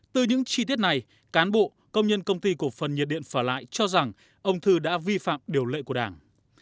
từ những chi tiết này cán bộ công nhân công ty cổ phần nhiệt điện phả lại cho rằng ông thư đã vi phạm điều lệ của đảng